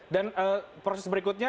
dan proses berikutnya